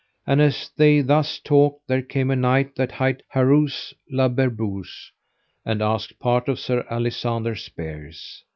And as they thus talked there came a knight that hight Harsouse le Berbuse, and asked part of Sir Alisander's spears.